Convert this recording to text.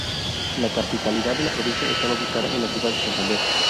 La capitalidad de la provincia estaba ubicada en la ciudad de Santander.